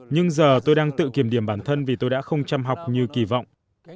nhưng giờ tôi đang tự kiểm điểm bản thân vì tôi đã không chăm học như kỳ vọng